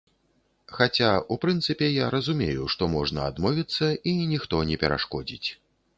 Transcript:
Хаця, у прынцыпе, я разумею, што можна адмовіцца і ніхто не перашкодзіць.